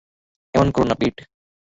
এমন কোরো না পিট।